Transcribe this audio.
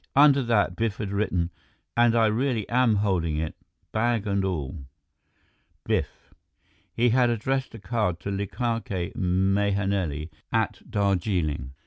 Under that, Biff had written, "And I really am holding it, bag and all. Biff." He had addressed the card to Likake Mahenili at Darjeeling.